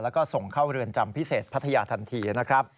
แล้วก็ส่งเข้าเรือนจำพิเศษพัทยาทันทีนะครับ